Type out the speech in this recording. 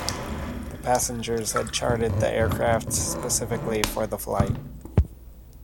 The passengers had chartered the aircraft specifically for the flight.